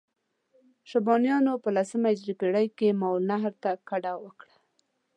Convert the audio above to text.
شیبانیانو په لسمې هجري پېړۍ کې ماورالنهر ته کډه وکړه.